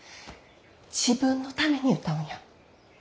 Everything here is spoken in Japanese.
自分のために歌うんや。